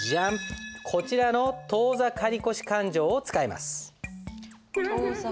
こちらの当座借越勘定を使います。